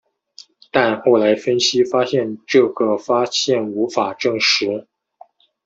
但后来的分析发现这个发现无法证实。